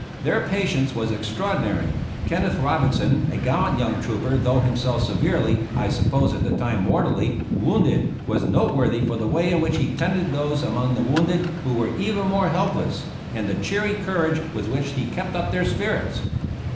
Their patience was extraordinary. Kenneth Robinson, a gallant young trooper, though himself severely (I supposed at the time mortally) wounded, was noteworthy for the way in which he tended those among the wounded who were even more helpless, and the cheery courage with which he kept up their spirits.